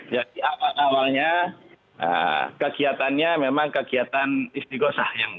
jadi awalnya kegiatannya memang kegiatan istiqosah